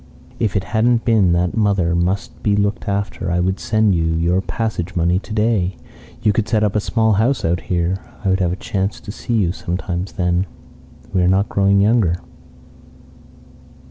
"If it hadn't been that mother must be looked after, I would send you your passage money to day. You could set up a small house out here. I would have a chance to see you sometimes then. We are not growing younger.